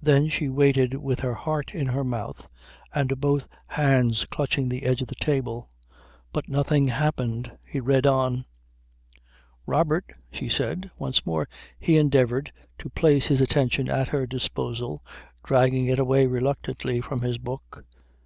Then she waited with her heart in her mouth and both hands clutching the edge of the table. But nothing happened. He read on. "Robert " she said. Once more he endeavoured to place his attention at her disposal, dragging it away reluctantly from his book.